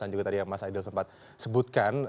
dan juga tadi yang mas aidil sempat sebutkan